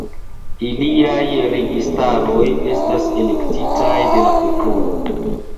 Iliaj registaroj estas elektitaj de la popolo.